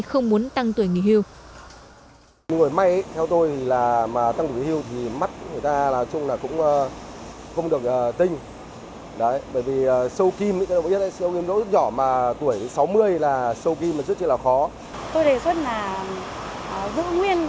không muốn tăng tuổi nghỉ hưu